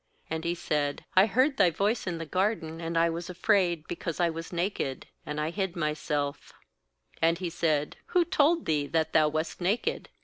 °And he said: 'I heard Thy voice in the garden, and I was afraid, because I was naked; and I hid myself/ "And He said: 'Who told thee that thou wast naked?